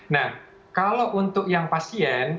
nah kalau untuk yang pasien